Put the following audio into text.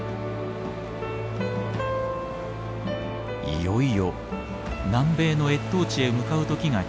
いよいよ南米の越冬地へ向かう時が来たのです。